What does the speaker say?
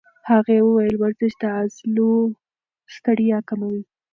هغې وویل ورزش د عضلو ستړیا کموي.